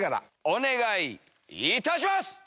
お願いいたします。